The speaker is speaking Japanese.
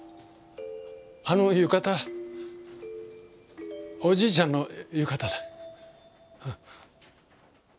あの浴衣おじいちゃんの浴衣だ。